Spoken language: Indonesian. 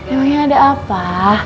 emangnya ada apa